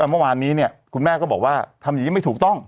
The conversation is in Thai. เมื่อวานนี้เนี่ยคุณแม่ก็บอกว่าทำอย่างนี้ไม่ถูกต้อง